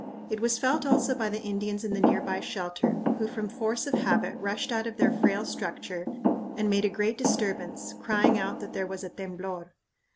It was felt also by the Indians in the near by shelter, who from force of habit rushed out of their frail structure and made a great disturbance, crying out that there was a temblor.